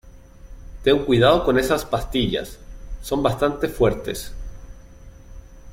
ten cuidado con esas pastillas, son bastante fuertes.